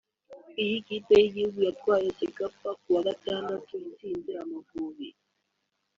Iyi kipe y’igihugu yatwaye Cecafa kuwa Gatandatu itsinze Amavubi